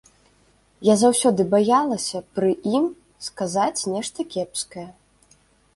Я заўсёды баялася пры ім сказаць нешта кепскае.